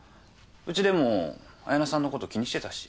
うちでも綾菜さんのこと気にしてたし。